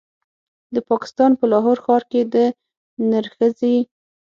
د پاکستان په لاهور ښار کې د نرښځې